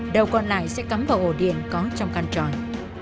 đầu còn lại sẽ cắm vào ổ điện có trong căn tròi